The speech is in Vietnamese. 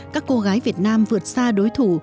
các cô gái việt nam vượt xa đối thủ